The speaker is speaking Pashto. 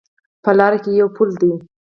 په لاره کې یو پل ده